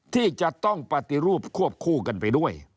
ที่จะต้องปฏิรูปควบคู่กันไปด้วย